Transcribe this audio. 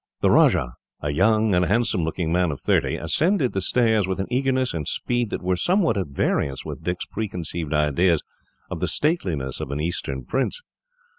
The Rajah, a young and handsome looking man of thirty, ascended the stairs with an eagerness and speed that were somewhat at variance with Dick's preconceived ideas of the stateliness of an Eastern prince.